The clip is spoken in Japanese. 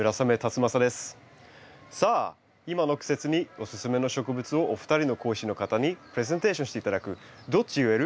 さあ今の季節におすすめの植物をお二人の講師の方にプレゼンテーションして頂く「どっち植える？」